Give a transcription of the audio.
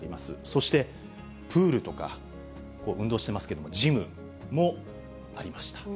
そしてプールとか、運動してますけども、ジムもありました。